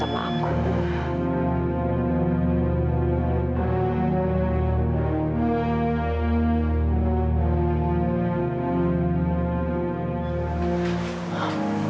bapak prabu mencelakai anakku